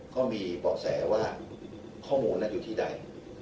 ก็มีเบาะแสว่าข้อมูลนั้นอยู่ที่ใด